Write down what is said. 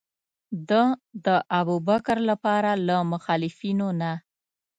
ده د ابوبکر لپاره له مخالفینو نه.